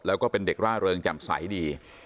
แล้วก็เป็นเด็กร่าเริงแจ่มใสดี